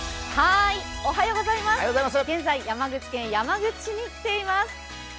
現在、山口県山口市に来ています。